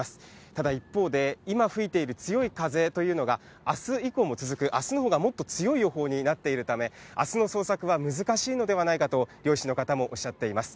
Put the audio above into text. ただ一方で、今吹いている強い風というのがあす以降も続く、あすのほうがもっと強い予報になっているため、あすの捜索は難しいのではないかと、漁師の方もおっしゃっています。